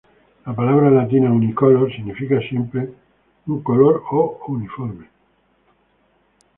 La palabra latina "unicolor" significa simple, un color o uniforme.